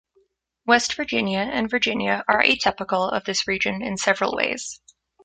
West Virginia and Virginia are atypical of this region in several ways.